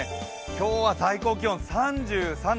今日は最高気温３３度。